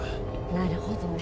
なるほどね。